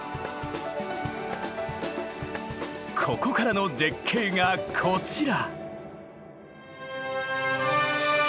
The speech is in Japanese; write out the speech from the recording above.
ここからの絶景がこちら！